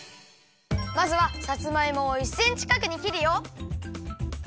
まずはさつまいもを１センチかくにきるよ。